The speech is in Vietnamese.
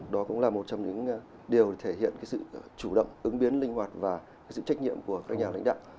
đó cũng là một trong những điều thể hiện sự chủ động ứng biến linh hoạt và sự trách nhiệm của các nhà lãnh đạo